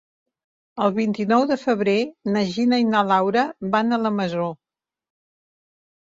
El vint-i-nou de febrer na Gina i na Laura van a la Masó.